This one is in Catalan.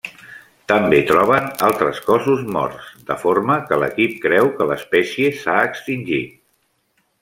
També troben altres cossos morts, de forma que l'equip creu que l'espècie s'ha extingit.